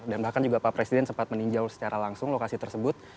bahkan juga pak presiden sempat meninjau secara langsung lokasi tersebut